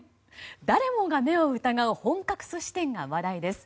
誰もが目を疑う本格寿司店が話題です。